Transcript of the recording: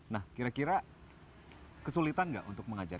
nah kira kira kesulitan nggak untuk mengajar